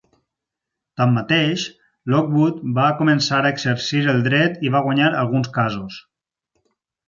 Tanmateix, Lockwood va començar a exercir el dret i va guanyar alguns casos.